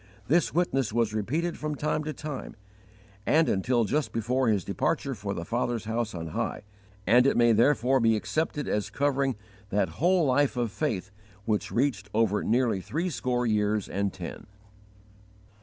This witness was repeated from time to time, and until just before his departure for the Father's house on high; and it may therefore be accepted as covering that whole life of faith which reached over nearly threescore years and ten.